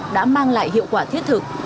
đã mang lại hiệu quả thiết thực